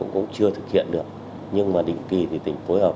cũng chưa thực hiện được nhưng mà định kỳ thì tỉnh phối hợp